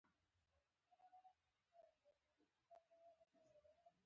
ملي ګټې باید لومړیتوب وي